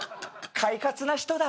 快活な人だ。